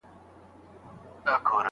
لارښود تر نورو ډېره خپلواکي شاګرد ته ورکوي.